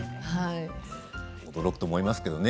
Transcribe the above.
驚くと思いますけどね。